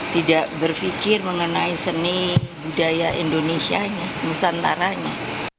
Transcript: tidak berpikir mengenai seni budaya indonesianya nusantaranya